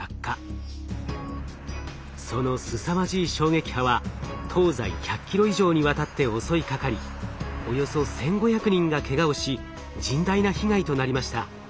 そのすさまじい衝撃波は東西１００キロ以上にわたって襲いかかりおよそ１，５００人がけがをし甚大な被害となりました。